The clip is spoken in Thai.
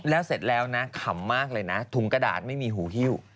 แล้วเสร็จแล้วนะขำมากเลยนะถุงกระดาษไม่มีหูฮิ้ว